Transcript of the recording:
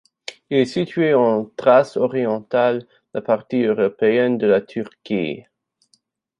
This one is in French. Il est situé en Thrace orientale, la partie européenne de la Turquie.